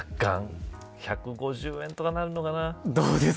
１５０円とかになるのかな。